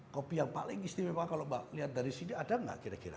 kopi yang paling istimewa kalau mbak lihat dari sini ada nggak kira kira